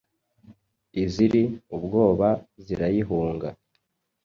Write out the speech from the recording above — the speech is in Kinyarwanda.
Iziri ubwoba zirayihunga